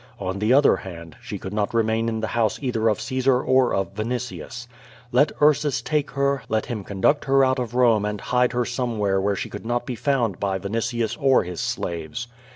On the other hand, she could not remain in the house either of Caesar or of Vinitius. Let Ursus take her, let him conduct her out of Rome ami hide her somewhere where she could not be found by Vini tius or his slaves.